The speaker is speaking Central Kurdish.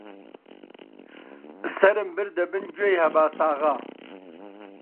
سەرم بردە بن گوێی هەباساغا: